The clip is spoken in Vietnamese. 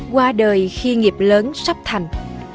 qua đời khi nghiệp lớn sắp thành